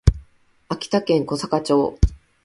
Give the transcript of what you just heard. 秋田県小坂町